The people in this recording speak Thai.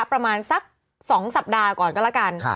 ประมาณสัก๒สัปดาห์ก่อนก็แล้วกัน